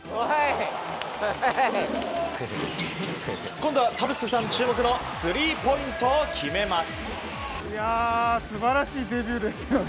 今度は田臥さん注目のスリーポイントを決めます。